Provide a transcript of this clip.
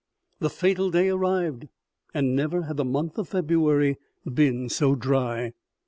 The fatal day ar rived ... and never had the month of February been so dry!